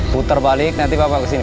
putar balik nanti bapak kesini